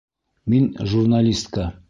Мин журналистка.